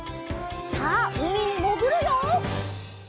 さあうみにもぐるよ！